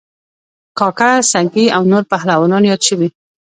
کاکه سنگی او نور پهلوانان یاد شوي